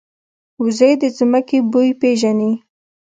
وزې د ځمکې بوی پېژني